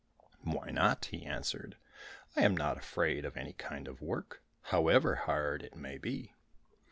"Why not?" he answered, "I am not afraid of any kind of work, however hard it may be."